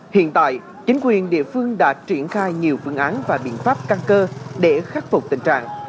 hiện tại chính quyền địa phương đã triển khai nhiều phương án và biện pháp căng cơ để khắc phục tình trạng